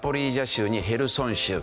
州にヘルソン州。